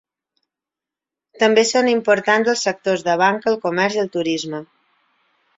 També són importants els sectors de banca, el comerç i el turisme.